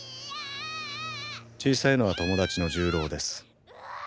小さいのは友達の重郎です。